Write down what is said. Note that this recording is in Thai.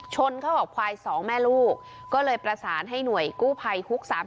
ชนเข้ากับควายสองแม่ลูกก็เลยประสานให้หน่วยกู้ภัยฮุก๓๐